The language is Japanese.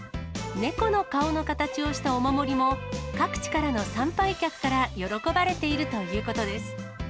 猫の顔の形をしたお守りも、各地からの参拝客から喜ばれているということです。